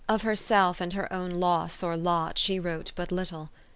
Of herself and her own loss or lot, she wrote but little.